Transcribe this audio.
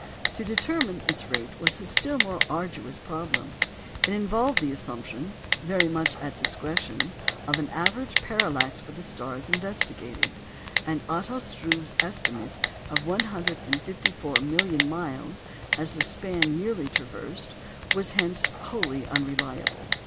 To determine its rate was a still more arduous problem. It involved the assumption, very much at discretion, of an average parallax for the stars investigated; and Otto Struve's estimate of 154 million miles as the span yearly traversed was hence wholly unreliable.